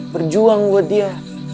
berjuang buat dia